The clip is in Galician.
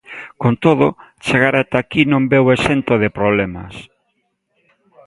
Con todo, chegar até aquí non veu exento de problemas.